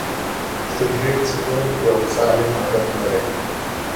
سیګرېټ څکول یو سالم عادت نه دی.